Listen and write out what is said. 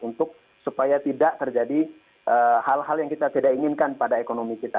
untuk supaya tidak terjadi hal hal yang kita tidak inginkan pada ekonomi kita